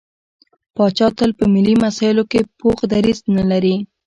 پاچا تل په ملي مسايلو کې پوخ دريځ نه لري.